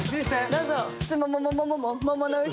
どうぞ。